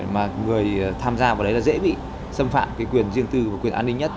mà người tham gia vào đấy là dễ bị xâm phạm cái quyền riêng tư và quyền an ninh nhất